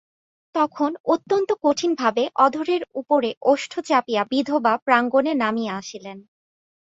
তখন অত্যন্ত কঠিনভাবে অধরের উপরে ওষ্ঠ চাপিয়া বিধবা প্রাঙ্গণে নামিয়া আসিলেন।